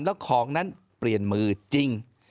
แล้วของนั้นเปลี่ยนมือจริง